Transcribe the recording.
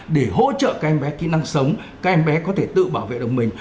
để hỗ trợ các em bé kỹ năng sống các em bé có thể tự bảo vệ được mình